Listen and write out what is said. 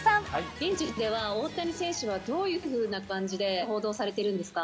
現地では、大谷選手はどういうふうな感じで報道されてるんですか？